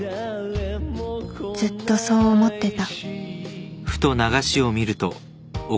ずっとそう思ってた